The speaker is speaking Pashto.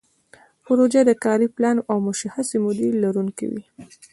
پروژه د کاري پلان او مشخصې مودې لرونکې وي.